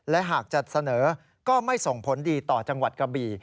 และหากจะเสนอก็ไม่ส่งผลดีต่อจังหวัดกระบี่